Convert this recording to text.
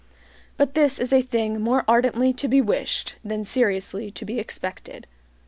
But this is a thing more ardently to be wished than seriously to be expected.